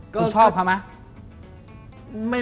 คุณชอบคะมั้ย